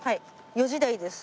４時台です。